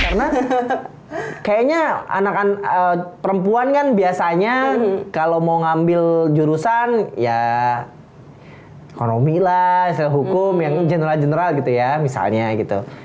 karena kayaknya anak anak perempuan kan biasanya kalau mau ngambil jurusan ya ekonomi lah sel hukum yang general general gitu ya misalnya gitu